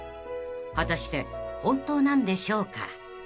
［果たして本当なんでしょうか？］